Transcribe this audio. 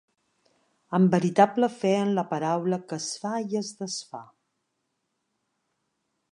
Amb veritable fe en la paraula que es fa i es desfà.